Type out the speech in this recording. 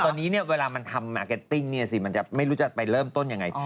แต่ตอนนี้เวลามันทำเมคเก็ตติ้งมันจะไม่รู้ไปเริ่มต้นยังไง